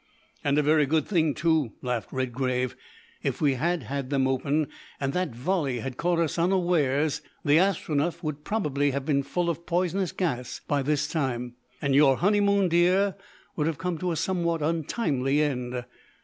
"And a very good thing too!" laughed Redgrave; "if we had had them open, and that volley had caught us unawares, the Astronef would probably have been full of poisonous gases by this time, and your honeymoon, dear, would have come to a somewhat untimely end.